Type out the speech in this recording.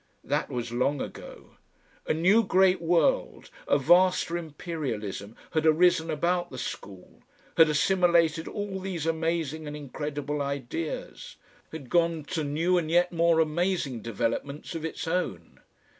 That was long ago. A new great world, a vaster Imperialism had arisen about the school, had assimilated all these amazing and incredible ideas, had gone on to new and yet more amazing developments of its own.